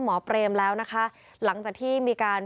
เปรมแล้วนะคะหลังจากที่มีการ